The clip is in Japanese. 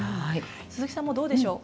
鈴木さん、どうでしょう